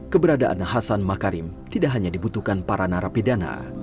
keberadaan hasan makarim tidak hanya dibutuhkan para narapidana